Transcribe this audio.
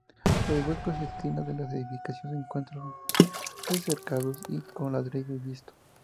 Los huecos y esquinas de la edificación se encuentran recercados con ladrillo visto.